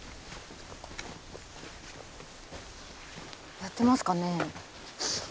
やってますかね。